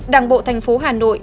đảng bộ thành phố hà nội